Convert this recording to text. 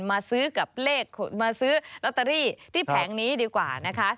มาซื้อกับเลขมาซื้อลอตเตอรี่ที่แผงนี้ดีกว่านะคะ